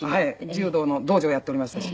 柔道の道場をやっておりましたし。